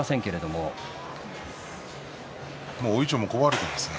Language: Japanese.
もう大いちょうも壊れていますね。